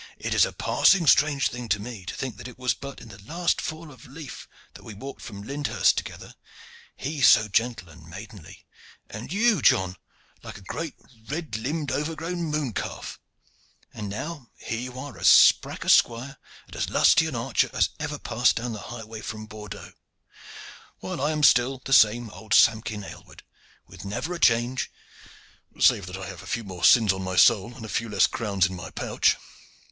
it is a passing strange thing to me to think that it was but in the last fall of the leaf that we walked from Lyndhurst together, he so gentle and maidenly, and you, John, like a great red limbed overgrown moon calf; and now here you are as sprack a squire and as lusty an archer as ever passed down the highway from Bordeaux, while I am still the same old Samkin Aylward, with never a change, save that I have a few more sins on my soul and a few less crowns in my pouch.